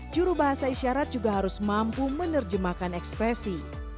juru bahasa isyarat juga harus mampu menerjemahkan ekspresi